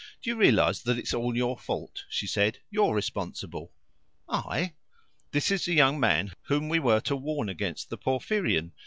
"Do you realize that it's all your fault?" she said. "You're responsible." "I?" "This is the young man whom we were to warn against the Porphyrion.